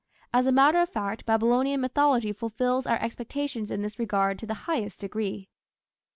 As a matter of fact Babylonian mythology fulfils our expectations in this regard to the highest degree.